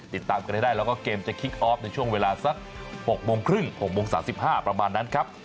ติดตามกันให้ได้แล้วก็เกมจะคิกออฟในช่วงเวลาสัก๖โมงครึ่ง๖โมง๓๕ประมาณนั้นครับ